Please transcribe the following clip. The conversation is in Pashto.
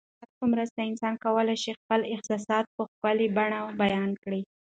د هنر په مرسته انسان کولای شي خپل احساسات په ښکلي بڼه بیان کړي.